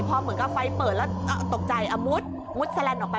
พอเหมือนกับไฟเปิดแล้วตกใจเอามุดมุดแสลนดออกไป